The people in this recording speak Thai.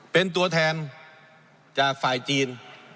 เป็นตัวแทนจากฝ่ายจีน